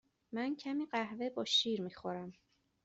من کمی قهوه با شیر می خورم.